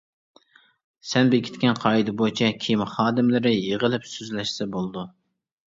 سەن بېكىتكەن قائىدە بويىچە كېمە خادىملىرى يىغىلىپ سۆزلەشسە بولىدۇ.